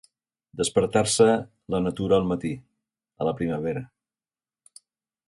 Despertar-se la natura al matí, a la primavera.